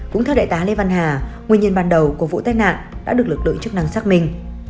cũng theo đại tá lê văn hà nguyên nhân ban đầu của vụ tai nạn đã được lực lượng chức năng xác minh